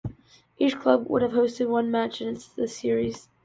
Each club would have hosted one match in this series.